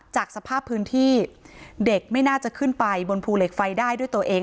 จากสภาพพื้นที่เด็กไม่น่าจะขึ้นไปบนภูเหล็กไฟได้ด้วยตัวเอง